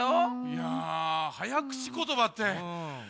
いやはやくちことばって。